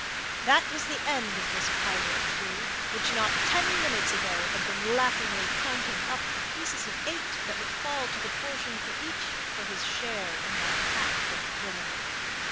That was the end of this pirate crew, which not ten minutes ago had been laughingly counting up the pieces of eight that would fall to the portion of each for his share in that act of villainy.